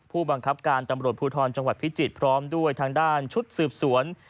ผู้บังคับการตำรวจภูทรจังหวัดพิจิตรพร้อมด้วยทางด้านชุดสืบสวน